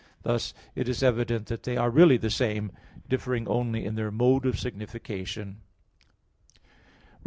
Thus it is evident that they are really the same, differing only in their mode of signification.